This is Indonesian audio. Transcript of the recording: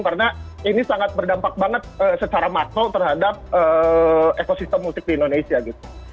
karena ini sangat berdampak banget secara makro terhadap ekosistem musik di indonesia gitu